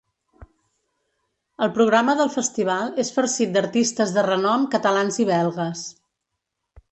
El programa del festival és farcit d’artistes de renom catalans i belgues.